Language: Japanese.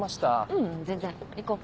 ううん全然行こう。